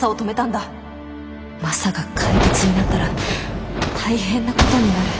マサが怪物になったら大変なことになる。